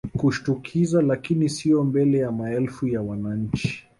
kushtukiza lakini sio mbele ya maelfu ya wananchi